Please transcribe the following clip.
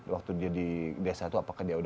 waktu dia di desa itu apakah dia udah